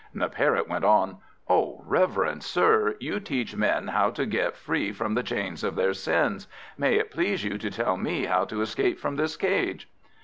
The Parrot went on "O reverend Sir, you teach men how to get free from the chains of their sins. May it please you to tell me how to escape from this cage?"